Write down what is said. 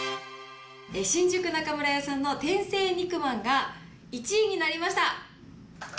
新宿中村屋さんの天成肉饅が、１位になりました。